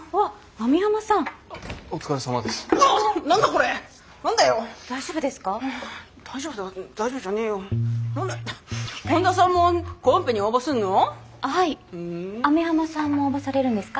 網浜さんも応募されるんですか？